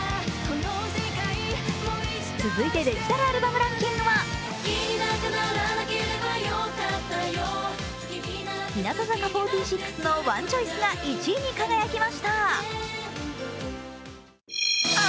続いて、デジタルアルバムランキングは日向坂４６の「Ｏｎｅｃｈｏｉｃｅ」が１位に輝きました。